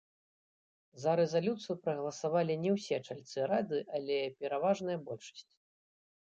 За рэзалюцыю прагаласавалі не ўсе чальцы рады, але пераважная большасць.